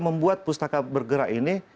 membuat pustaka bergerak ini